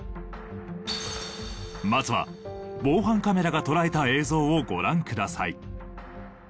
まずは防犯カメラが捉えた映像をご覧ください。